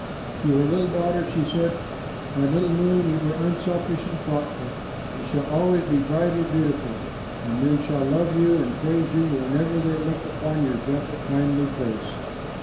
Then to her little daughter she said, "My little moon, you were unselfish and thoughtful. You shall always be bright and beautiful, and men shall love you and praise you whenever they look upon your gentle, kindly face."